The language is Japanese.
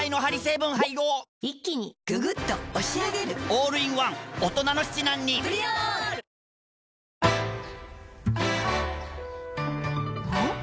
オールインワン大人の七難に「プリオール」おっ？